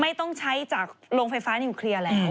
ไม่ต้องใช้จากโรงไฟฟ้านิวเคลียร์แล้ว